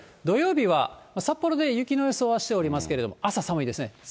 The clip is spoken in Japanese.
土曜日は札幌で雪の予想はしておりますけれども、朝寒いですね。